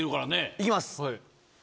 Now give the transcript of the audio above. いきます。